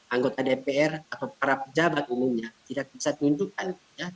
anggota dpr atau para pejabat umumnya tidak bisa tunjukkan